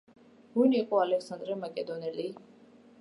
ვინ იყო ალექსანდრე მაკედონელი?